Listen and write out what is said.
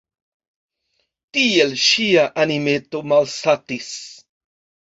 Tiel ŝia animeto malsatis.